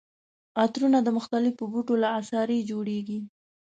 عطرونه د مختلفو بوټو له عصارې جوړیږي.